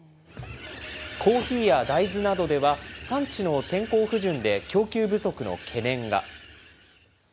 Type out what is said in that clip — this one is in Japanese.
コーヒーや大豆などでは、産地の天候不順で供給不足の懸念が。